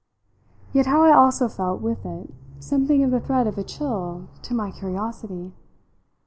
Yet how I also felt, with it, something of the threat of a chill to my curiosity!